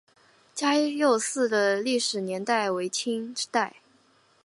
嘉佑寺的历史年代为清代。